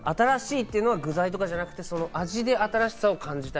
新しいというのは具材とかじゃなくて、味で新しさを感じたい。